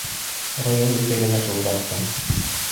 — Район үҙәгенә шылтыраттым.